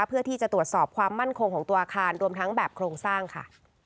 เพื่อที่จะตรวจสอบความมั่นคงของตัวอาคารรวมทั้งแบบโครงสร้างค่ะ